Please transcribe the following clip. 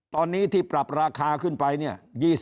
ตอนนี้ที่ปรับราคาขึ้นไปเนี่ย